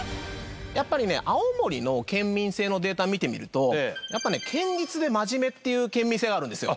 やっぱりね青森の県民性のデータ見てみると堅実で真面目っていう県民性があるんですよ。